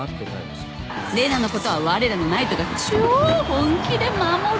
麗奈のことはわれらのナイトが超本気で守る。